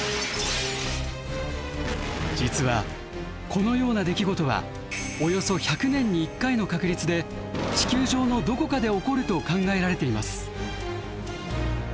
実はこのような出来事はおよそ１００年に１回の確率で地球上のどこかで起こると考えられています。